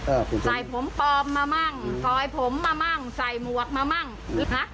อ่าใส่ผมฟอบมามั่งอืมปลอยผมมามั่งใส่หมวกมามั่งอืมห้ะ